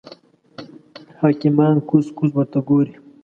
حکیمان کوز کوز ورته ګوري.